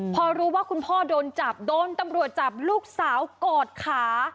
พอรู้ว่าคุณพ่อโดนจับโดนตำรวจจับลูกสาวกอดขา